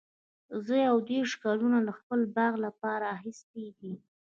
زه یو دیرش ګلونه د خپل باغ لپاره اخیستي دي.